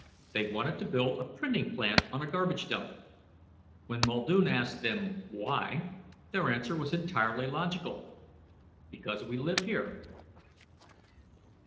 They wanted to build a printing plant on a garbage dump. When Muldoon asked them why, their answer was entirely logical:_ _"Because we live here."